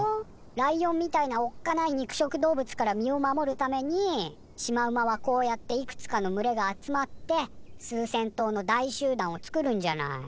ライオンみたいなおっかない肉食動物から身を守るためにシマウマはこうやっていくつかの群れが集まって数千頭の大集団を作るんじゃない。